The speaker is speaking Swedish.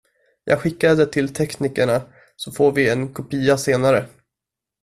Jag skickar det till teknikerna så får vi en kopia senare.